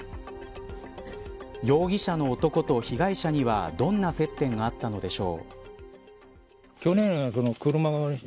容疑者の男と被害者にはどんな接点があったのでしょう。